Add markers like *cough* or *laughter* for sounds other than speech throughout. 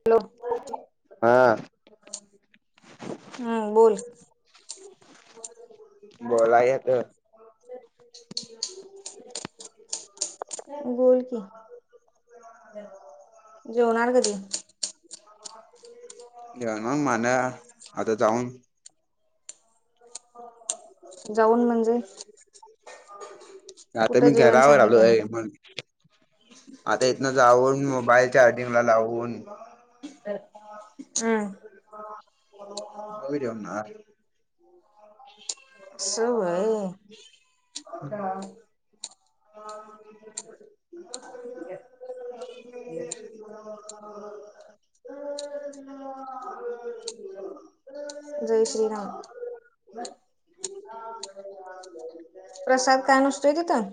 Hello हा हम्म बोल बोलाय तर बोल की जेवणार कधी? *unintelligible* देवनार मानं, आता जाऊन. जाऊन म्हणजे? आता कुठं मी जेवण घरावर आलो सांगितलं मी आहे तुला? म्हण आता इथनं जाऊन मोबाईल चार्जिंग ला लावून हम्म मग जेवनार असं व्हय, हम्म ये ये ह ह ह जय श्रीराम प्रसाद काय नसतोय तिथं?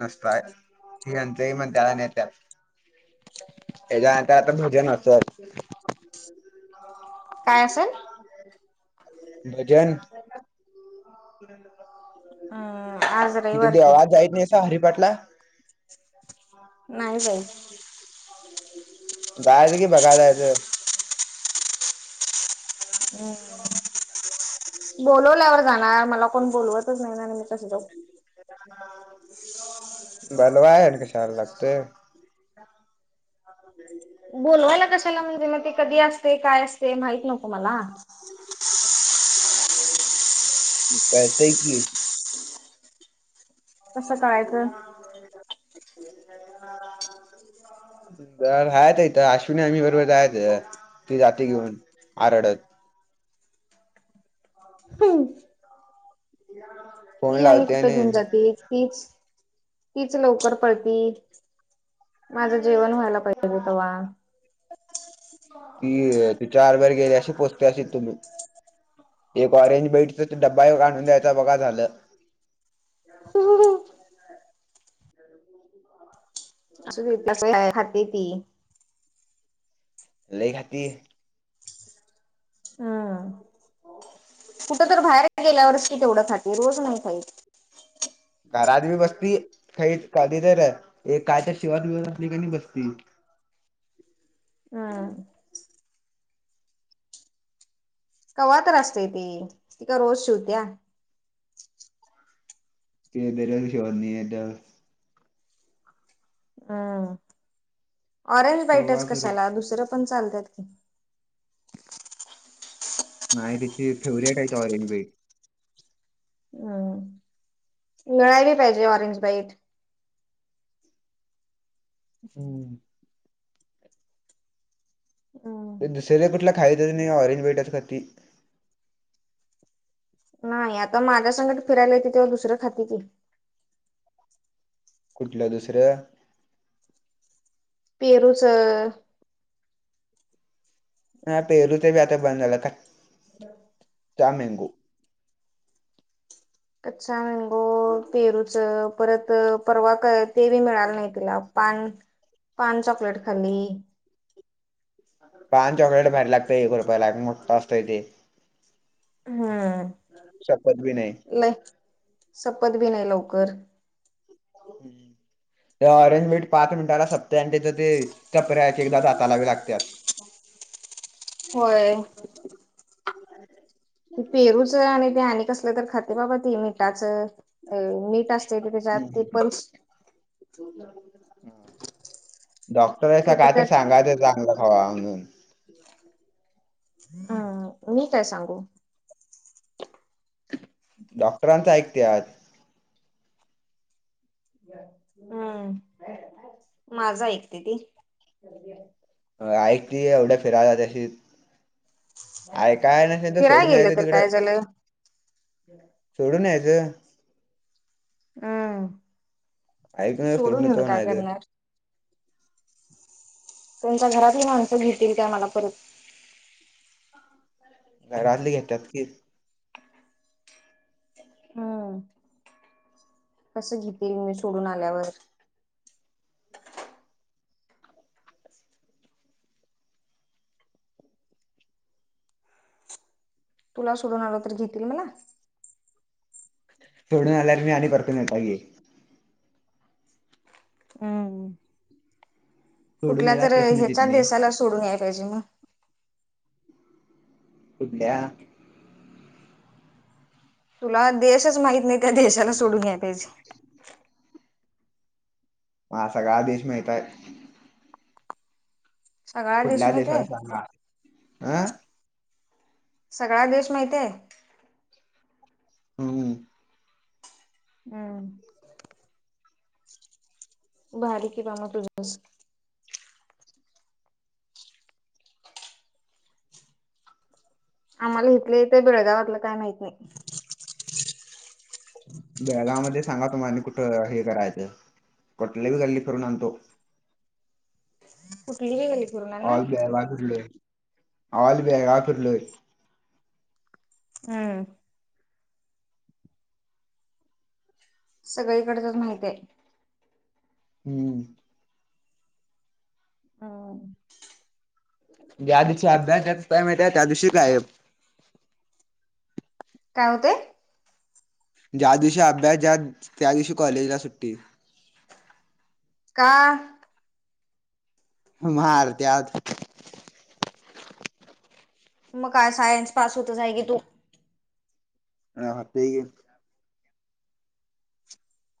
नसताय हे हेंचही मणत्यात आणि नेतात त्याच्या आता आता भजन असल. काय असेल? भजन हा इथे देवळात जात नाहीसा हरिपाटला? नाही जाईत. जायचं की बघाय जाण्याचं. *inaudible* बोलवल्यावर जाणार मला कोण बोलवतच नाही मी कसे जाऊ! बनवाय आणि कशाला लागतंय. *unintelligible* बोलवायला कशाला म्हणजे मग ते कधी असतय काय असतय माहित नको मला? कळतंय कि कसं कळायच! *unintelligible* अ राहायचं इथं अश्विनी वाहिनी बर जायचं ती जाते कि घेऊनहा रडत. *inaudible* ती आणि कुठे घेऊन जाते तीच तीच लवकर पळती. माझं जेवण व्हायला पाहिजे त वा. ती ती चार वेर गेली अशी पोहोचते अशी तुम्ही एक ऑरेंज बेईटच ड्बा काढून द्यायचा बघा झालं. असुदे खाते ती लइ खाती हा कुठ तर बाहेर गेल्यावरच कि तेवढं खाते रोज नाही खाइत घरात बी बसती काही कधी तर एक कायतर शिवत बिवत का नाही बसती. हा कव्हा तर असतय ते दरोज शिवत्या. ते वेगळा विषय *inaudible* हं ऑरेंज कवा वाईटच तर कशाला दुसरं पण चालत्यात कि, नाही तिची फेवरेट आहे त ऑरेंज बे हं मिळायली पाहिजे ऑरेंज बाईट. हम्म हं ते दुसरे कुठला खायच नाही ऑरंजेटच खाती. नाही आता माझ्या संगट फिरायला येत तेव्हा दुसऱ्या खाती कि. कुठल दुसरं? पेरूच, हा पेहरूच बी आता बंद झालं *unintelligible* ट्या मँगो कच्छा मँगो पेरूच परत परवा क ते बी मिळाल नाही तिला पान पान चॉकलेट खाली. पान चॉकलेट भारी लागतेय एक रुपयाला मोठा असतय ते. हं सपत बी नाही लय संपत बी नाही लवकर. हम्म ते ऑरेंज मिट पाच मिनटाला संपतय आणि तिथं ते चपऱ्या एक एकदा दाताला बी लागत्यात. होय की पेरूचं आणि ते आणि कसलं तर खाते बाबा ती मिठाचं, अ मीठ असतय कि त्याच्यात हम्म, हम्म, ते हम्म. पण डॉक्टर आहेसा काय तर सांग तिला चांगल ह खावा म्हणून, हं मी काय सांगू? *unintelligible* डॉक्टरांच ऐकत्यात. हं माझं ऐकते ती! ऐकली एवढ्या फिराला त्याशी आय काय नसेल तर फिराय सोडून गेलं येत तर तिकडं काय झालं सोडून यायचं. हं. ऐकून सोडून येतो येेऊन काय म्हणायचं करणार? त्यांच्या घरातली माणसं घेतील काय मला परत. घरातले घेेतात की. हम्म. कसं घेतील? मी सोडून आल्यावर. तुला सोडून आलो. तर घेतील मला. सोडून आल्यावर मी आणि परतून येताव की. हम्म. सोडून कुठल्या यायला तर प्रश्नच येत ह्याच्या नाही देशाला सोडून याय पाहिजे मग. कुठल्या. तुला देशच माहित नाही. त्या देशाला सोडून यायला पाहिजे. *unintelligible* मा सगळा देश माहित आहे. सगळा देश कुठल्या माहित देशला आहे सांगा. अं. सगळा देश माहितेय. हम्म हम्म. भारी कि बा म तुझस. आम्हाला इथलं इथ. बेळगावातलं काय माहित नाही. ह *unintelligible* बेळगावमध्ये सांगा तुम्हा कुठं हे करायचं. कुठली बी गल्ली फिरुन आणतो. कुठली. बी गली फिरणार ना ऑल बेळगाव फिरलोय. ऑल बळगाव फिरलोय. हम्म. सगळीकडचच माहितेय. हम्म. ह. ज्या दिवशी अभ्यास द्यायचा टईमेत. त्या दिवशी गायब. काय होतय. ज्या दिवशी अभ्यास. ज्या त्या दिवशी कॉलेजला सुट्टी. का? मार त्यात. मग काय. सायन्स पास होतच हाय की तू. राहतय की.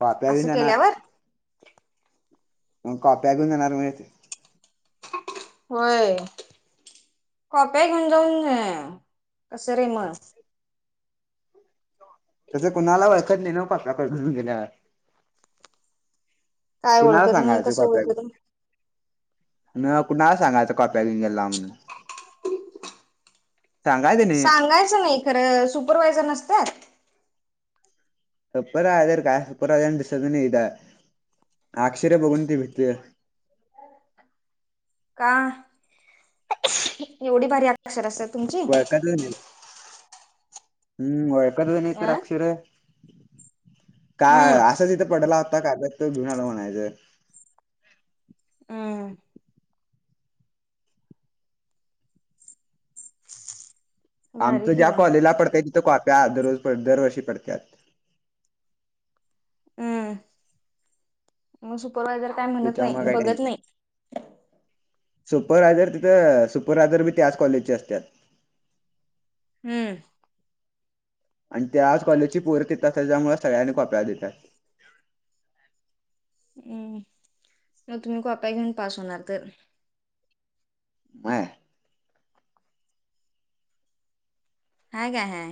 कॉप्या मी असं णेणार. केल्यावर मग कॉप्या घिउन जाणार म. होय. कॉप्या घेऊन जाऊन. कस रे म. तस कुणाला ळखत नाही ना. कॉप्याकाकडून गेल्या. काय कुणाला ओळखत नाही सांगायच कसं कॉप्या घेऊन ओळखत नाही मग कुणाला सांगायच कॉप्या घेउन गेला म्हणून. सांगायचं नाही सांगायचं नाही खरं. सुपरवा्हायझर नसत्यात. सुपरवायझर काय. सुपरवायझर दिसत बीनाही इड. आक्षर बघून ती भेटते. का? एवढी भारी आ क्षर असत्यात तुमची. ओळखतच नाही. हम्म. ओळखत नाही तर अक्षर. का. हम्म असंच इथं पडला होता कागद. तो घेऊन आलो म्हणायचं. हम्म् हम्म. भारी आमचं कि ज्या बा मग कॉलेजला पडतय. तिथं कॉप्या दररोज दरवर्षी पडतात. हम्म. म सुपरवाझर तथ्हा काय टेन्शन *unintelligible* सुपररायझर तिथं सुपररायझर बी त्याच कॉलेजचे असत्यात. हम्म. आणि त्याच कॉलेजची पोरं तिथं असत्यात त्याच्यामुळ सगळ्यांसनी कॉप्या देतात. हं. मग तुम्ही कॉप्या घेऊन पास होणार तर. नाय. ह काय ह.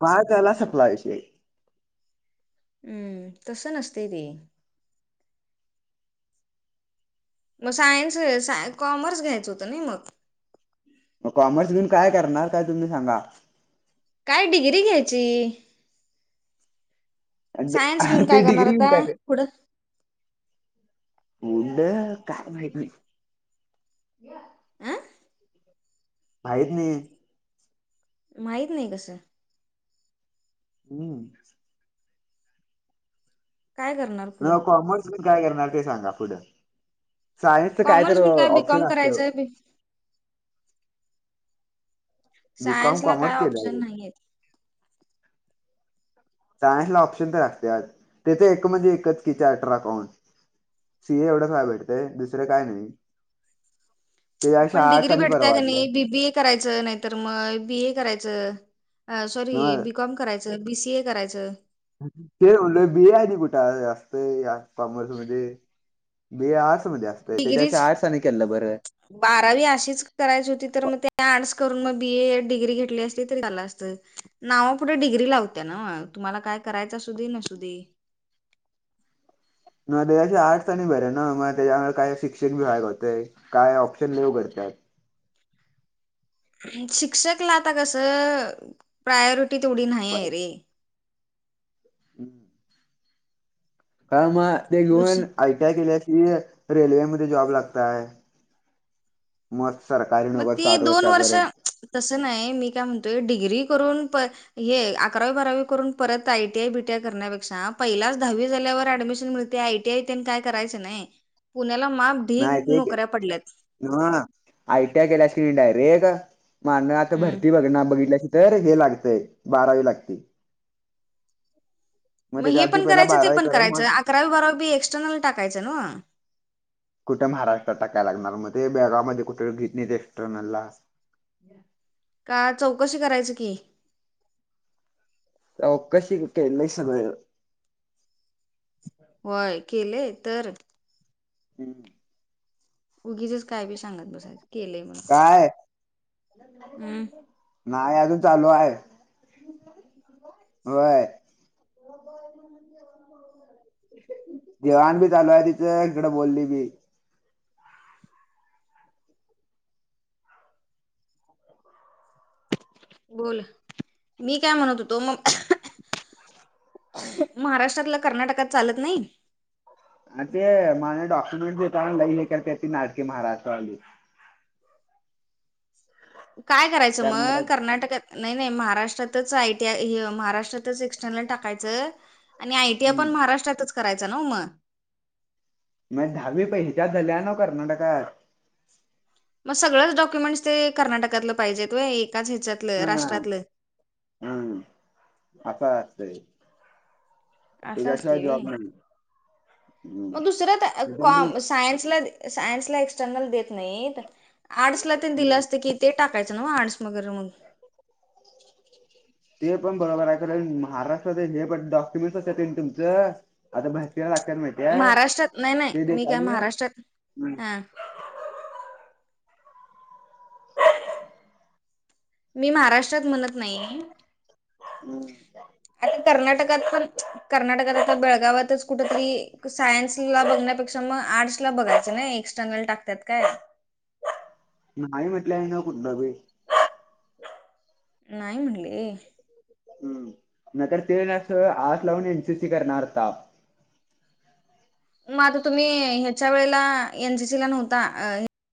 पास झाला सपला विषय. हम्म. तसं नसतयं ते. मग सायन्स साय कॉमर्स घ्यायचं होतं नई मग. म कॉमर्स घेऊन काय करणार काय तुम्ही सांगा? काय डिग्री घ्यायची. सायन्स घेऊन ते काय करणार डिग्री येऊन आता काय पुढं *unintelligible* काय माहित नाही. अ *unintelligible* माहित नाही. माहित नाही कसं. हम्म. काय करणार? पुढं म कॉमर्स काय करणार ते सांगा पुुढं? सायन्सच काय कॉमर्स तर घेऊन ऑप्शन बीकॉम असतय ओ. करायचंय बीकॉम सायन्सला काय कॉमर्स केलं ऑप्शन आहे नाहीयेत. सायन्सला ऑप्शन तर असत्यात. तिथं एक म्हणजे एकच की चार्टर अकाउंट. सि ए एवढं व्हाय भेटतेय. दुसरं काय नाही. त्यापेक्षा पण आर्ट्स डिग्री आणि भेटत्या कनी परवडलं बीबीए करायच. नाहीतर मग बी ए करायचं. सॉरी मग बीकॉम करायच. बीसीए करायचं. ते म्हणलं बि ए आणि कुठं असतयं या कॉमर्स मध्ये. बी ए आर्टस मध्ये असतय. त्याच्या डिग्रीच पेक्षा आर्टस आणि केललं बरं. बारावी अशीच करायची होती तर मग, ते आर्ट्स करून मग बी ए डिग्री घेतली असली तरी चालं असत. नावा पुुढे डिग्री लावत्या नव्हं. तुम्हाला काय करायचं असू दे. नसु दे. मग त्याच्यापेक्षा आर्टस आणि बरं नव्हं मग त्याच्यामुळे काय शिक्षकबि व्हाय गावतयं. काय ऑप्शन लय उघडत्यात. शिक्षकला आता कसं प्रायोरिटी तेवढी नाही हाय रे. हम्म. काय मग ते दुस घेऊन आय टी आय केली असतीस - - रेल्वेमध्ये जॉब लागताय. मस्त सरकारी मग नोकर ती साठ दोन वर्ष वर्षापर्यंत. तसं नाही. मी काय म्हणतोय डिग्री करून प हे अकरावी, बारावी करून परत आयटीआय बीटीआय करण्यापेक्षा पहिलाच दहावी झाल्यावर ऍडमिशन मिळ- - ते आयटीआय काय करायचं नाही. पुण्याला माप ढीग माहिती हाय की. नोकऱ्या पडल्यात नव्ह. आय टी आय केल्यासकनी डायरेक मान आता हम्म भरती बघ ना बघितल्याची तर हे लागतय बारावी लागती. मग त्याच्या हे आधी पण पहिला करायचं. ते बारावी पण करेल मग करायचं. अकरावी बारावी बी एक्सटर्नल टाकायचं नव. कुठं महाराष्ट्रात टाकाय लागणार मग ते बेळगाव मध्ये कुठ घेत नाहीत एक्सटर्नलला. का चौकशी करायची की. चौकशि केलंय सगळ. होय. केलेय तर. हम्. उगीचच काय बी सांगत बसायच. केलंय म्हणुन काय हम्. नाही. अजून चालू हाय. व्हय जेवाण बी चालू आहे तिच इकडें बोलली बी बोल मी काय म्हणत होतो मग महाराष्ट्रातलं कर्नाटकात चालत नाही अ ते मला डॉक्युमेंट देताना लई लई हे करतेती नाटके महाराष्ट्रवाली काय करायचं मग कर्नाटक कर्नाटकात नाही नाही महाराष्ट्रातच आयटीआय हे महाराष्ट्रातच एक्स्टर्नल टाकायचं आणि आयटीआय हम्म पण महाराष्ट्रातच करायचा ना मग मायी दहावी पैशच्या झाल्या नव कर्नाटकात मग सगळच डॉक्युमेंट्स ते कर्नाटकातलं पाहिजे व्हय एकाच ह्याच्यात हा हा अस असतय असं असते वी हम्म. मग दुसरॉ ते पण मी ती सायन्सला सायन्सला एक्सटर्नल देत नाहीत आर्टसला ते दिलं हम्म. असतं की ते टाकायचं ना म आणणस वगैरे मग ते पण बरोबर आहे कारण महाराष्ट्रात हे पण डॉक्युमेंट्स असत तुमचं आता भरतीला लागायला माहिती *unintelligible* महाराष्ट्रात नाही नाही ते मी काय देताना महाराष्ट्रात हम्म. हा मी महाराष्ट्रात म्हणत नाही. हम्म आता कर्नाटकात पण कर्नाटकात बेळगावातच कुठ तरी सायन्स ला बघण्यापेक्षा मग आर्टस ला बघायचं ना एक्स्ट्र जंगल टाकतात काय नाही म्हटलं आहे. ना कुठलं भ नाही नाही म्हणले हम् नाहीतर ते असं आर्टला घेऊन एनसीसी करणार होता मग आता तुम्ही ह्याच्या वेळेला एनसीसी ला नव्हता.